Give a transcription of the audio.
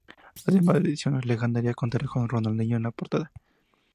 Además, la edición legendaria contará con Ronaldinho en la portada.